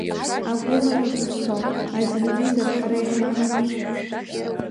Агәылара бызцо ателевизор ҳара иҳамами.